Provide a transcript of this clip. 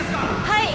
はい。